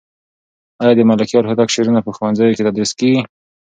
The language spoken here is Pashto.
آیا د ملکیار هوتک شعرونه په ښوونځیو کې تدریس کېږي؟